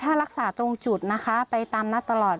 ถ้ารักษาตรงจุดนะคะไปตามนัดตลอด